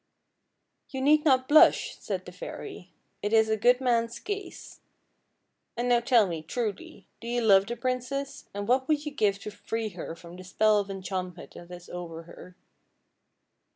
" You need not blush," said the fairy ;" it is a good man's case. And now tell me, truly, do you love the princess, and what would you give to free her from the spell of enchantment that is over her?